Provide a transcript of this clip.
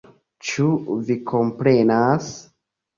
Ĉu Vi komprenas?